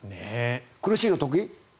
苦しいの得意？